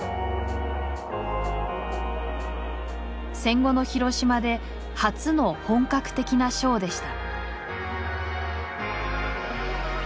戦後の広島で初の本格的なショーでした。